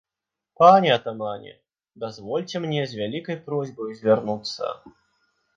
Пане атамане, дазвольце мне з вялікай просьбаю звярнуцца!